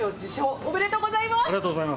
ありがとうございます。